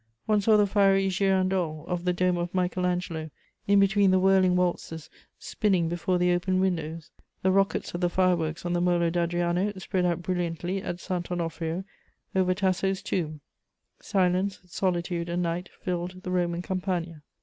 One saw the fiery girandole of the dome of Michael Angelo in between the whirling waltzes spinning before the open windows; the rockets of the fireworks on the Molo d'Adriano spread out brilliantly at Sant' Onofrio, over Tasso's tomb: silence, solitude and night filled the Roman Campagna.